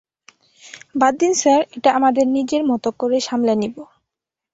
বাদ দিন স্যার এটা আমার নিজের মতো করে সামলে নিব।